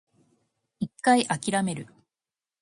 一回諦める